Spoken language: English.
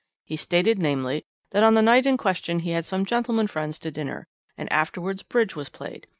He stated, namely, that on the night in question he had some gentlemen friends to dinner, and afterwards bridge was played.